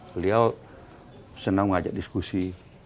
beliau senang mengajak diskusi